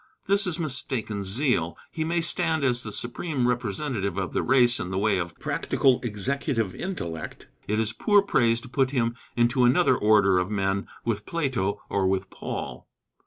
This is mistaken zeal. He may stand as the supreme representative of the race in the way of practical executive intellect. It is poor praise to put him into another order of men, with Plato or with Paul.